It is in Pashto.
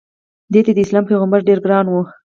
د ی داسلام په پیغمبر ډېر ګران و.